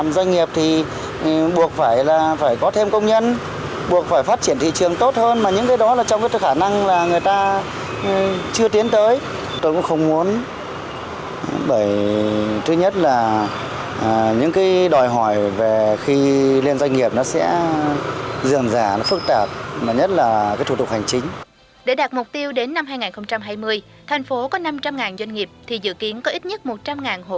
để đạt mục tiêu đến năm hai nghìn hai mươi thành phố có năm trăm linh doanh nghiệp thì dự kiến có ít nhất một trăm linh hộ